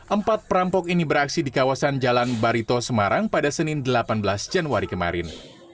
empat perampok ini beraksi di kawasan jalan barito semarang pada senin delapan belas januari kemarin